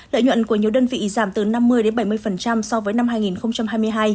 lợi nhuận của nhiều đơn vị giảm từ năm mươi bảy mươi so với năm hai nghìn hai mươi hai